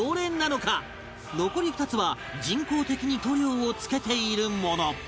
残り２つは人工的に塗料をつけているもの